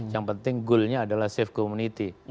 yang penting goal nya adalah save community